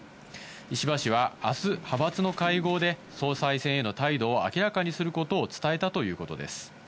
石破氏はあす、派閥の会合で総裁選への態度を明らかにすることを伝えたということです。